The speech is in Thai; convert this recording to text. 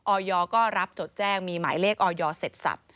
อยก็รับจดแจ้งมีหมายเลขออยเสร็จสับ